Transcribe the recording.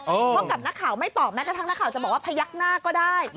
เพราะกับนักข่าวไม่ตอบแม้กระทั่งนักข่าวจะบอกว่าพยักหน้าก็ได้